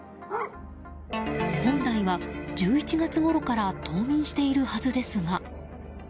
本来は、１１月ごろから冬眠しているはずですが。